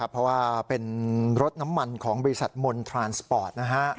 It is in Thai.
เพราะว่าเป็นรถน้ำมันของบริษัทมณฑรานสปอร์ตนะฮะ